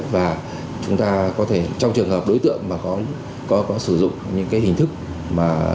và chúng ta có thể trong trường hợp đối tượng mà có sử dụng những cái hình thức mà